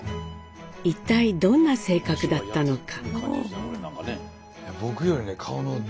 一体どんな性格だったのか？